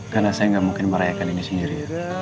karena saya gak mungkin merayakan ini sendiri